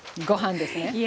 ご飯ですね。